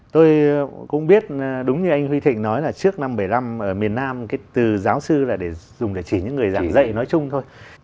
tôi cũng biết đúng như anh huy thịnh nói là trước năm một nghìn chín trăm bảy mươi năm ở miền nam từ giáo sư là để dùng để chỉ những người giảng dạy nói chung thôi